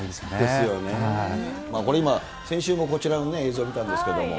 ですよね、これ、先週もこちらの映像見たんですけども。